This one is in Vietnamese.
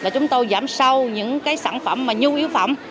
chúng tôi giảm sâu những sản phẩm mà nhu yếu phẩm